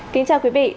kính chào quý vị